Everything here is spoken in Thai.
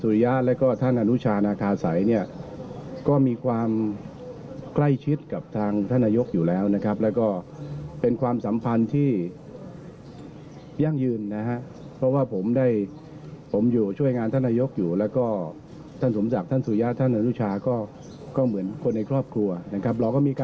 เราก็มีการคุยกันตลอดนะครับ